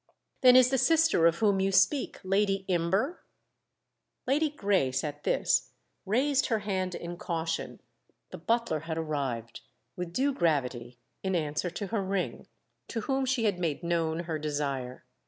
"Then is the sister of whom you speak Lady Imber?" Lady Grace, at this, raised her hand in caution: the butler had arrived, with due gravity, in answer to her ring; to whom she made known her desire.